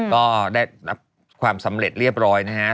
ก็ได้รับความสำเร็จเรียบร้อยนะฮะ